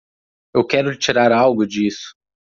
Eu quero tirar algo disso.